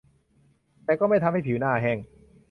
แต่ก็ไม่ทำให้ผิวหน้าแห้ง